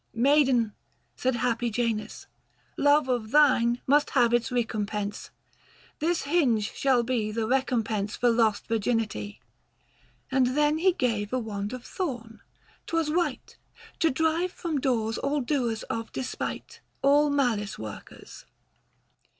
" Maiden," said happy Janus, " love of thine Must have its recompense ; this hinge shall be 145 The recompense for lost virginity. And then he gave a wand of thorn ; 'twas white, To drive from doors all doers of despite, All malice workers.